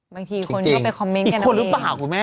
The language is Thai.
บางทีคนเขาไปคอมเมนต์กันแล้วเองอีกคนหรือเปล่าคุณแม่